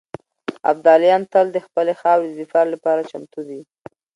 ابداليان تل د خپلې خاورې د دفاع لپاره چمتو دي.